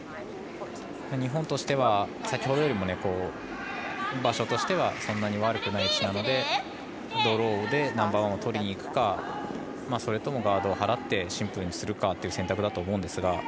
日本としては先ほどよりも、場所としてはそんなに悪くない位置なのでドローでナンバーワンをとりにいくかそれともガードを払ってシンプルにするかという選択だと思うんですが。